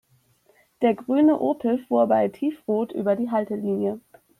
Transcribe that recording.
Der grüne Opel fuhr bei Tiefrot über die Haltelinie.